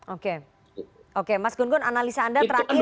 oke oke mas gun gun analisa anda terakhir